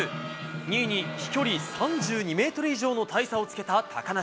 ２位に飛距離３２ｍ以上の大差をつけた高梨。